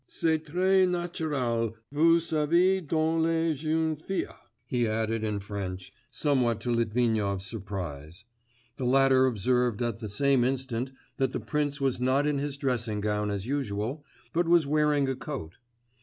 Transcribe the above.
'C'est très naturel, vous savez, dans les jeunes filles,' he added in French, somewhat to Litvinov's surprise; the latter observed at the same instant that the prince was not in his dressing gown as usual, but was wearing a coat.